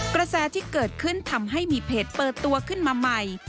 กระแสที่เกิดขึ้นทำให้มีเพจเปิดตัวขึ้นมาใหม่